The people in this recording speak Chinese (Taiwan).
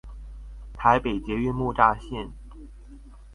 台北捷運木柵線